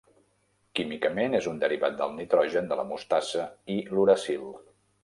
Químicament és un derivat del nitrogen de la mostassa i l'uracil.